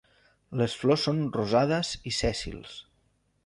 Les flors són rosades i sèssils.